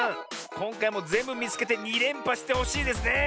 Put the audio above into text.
こんかいもぜんぶみつけて２れんぱしてほしいですね。